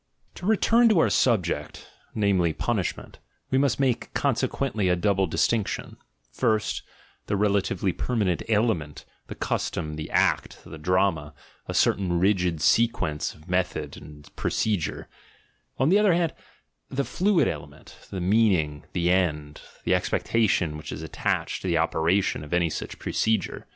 13. To return to our subject, namely punishment, we must make consequently a double distinction: first, the rela tively permanent element, the custom, the act, the "drama," a certain rigid sequence of methods of pro cedure; on the other hand, the fluid element, the mean ing, the end, the expectation which is attached to the oper 70 THE GENEALOGY OF MORALS ation of such procedure.